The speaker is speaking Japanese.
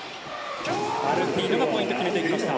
アルティーノがポイントを決めてきました。